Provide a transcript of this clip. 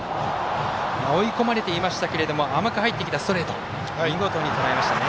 追い込まれていましたけども甘く入ってきたストレートを見事にとらえましたね。